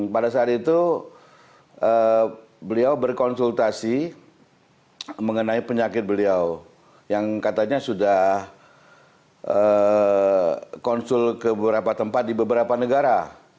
pada saat itu beliau berkonsultasi mengenai penyakit beliau yang katanya sudah konsul ke beberapa tempat di beberapa negara